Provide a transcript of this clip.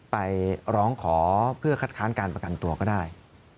ไปร้องขอเพื่อคัดค้านการประกันตัวก็ได้